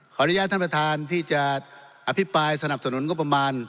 อนุญาตท่านประธานที่จะอภิปรายสนับสนุนงบประมาณ